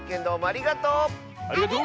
ありがとう！